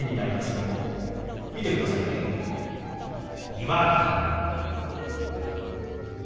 「違和感」。